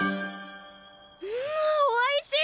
んおいしい！